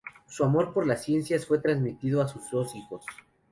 Su amor por las ciencias fue transmitido a sus dos hijos.